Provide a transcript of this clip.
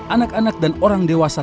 anak anak dan orang dewasa